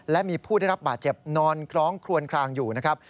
และมีผู้ได้รับบาดเจ็บนอนคล้องคลวนคลางอยู่นะครับ